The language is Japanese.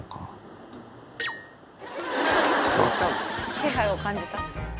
気配を感じた？